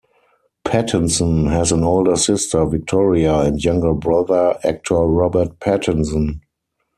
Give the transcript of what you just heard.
Pattinson has an older sister, Victoria, and younger brother, actor Robert Pattinson.